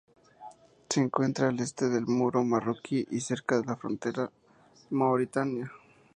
Se encuentra al este del muro marroquí y cerca de la frontera de Mauritania.